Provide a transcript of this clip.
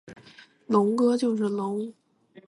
龙哥就是龙！